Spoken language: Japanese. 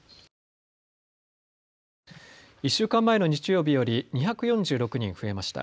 １週間前の日曜日より２４６人増えました。